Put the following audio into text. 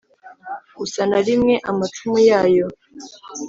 usa na rimwe amacumu yayo: